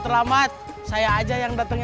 cerebon semarang semarang